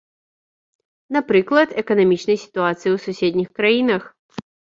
Напрыклад, эканамічнай сітуацыі ў суседніх краінах.